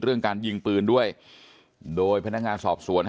เรื่องการยิงปืนด้วยโดยพนักงานสอบสวน